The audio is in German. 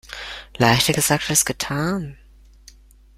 Leichter gesagt als getan.